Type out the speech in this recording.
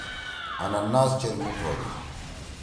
آنناس چیر میٹ ہودُو۔